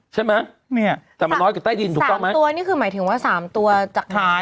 ใช่ไหมแต่มันน้อยกับใต้ดินถูกต้องไหม๓ตัวนี่คือหมายถึงว่า๓ตัวจากไหน